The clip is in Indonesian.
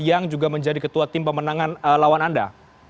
yang juga menjadi ketua tim pemenangan lawan anda